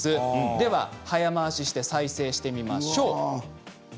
では早回しして再生してみましょう。